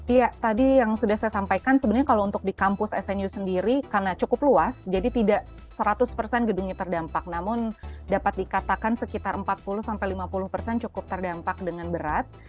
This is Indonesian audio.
iya tadi yang sudah saya sampaikan sebenarnya kalau untuk di kampus snu sendiri karena cukup luas jadi tidak seratus persen gedungnya terdampak namun dapat dikatakan sekitar empat puluh sampai lima puluh persen cukup terdampak dengan berat